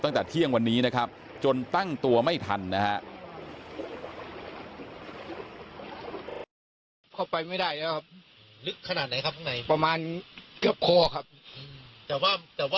ตั้งแต่เที่ยงวันนี้นะครับจนตั้งตัวไม่ทันนะฮะ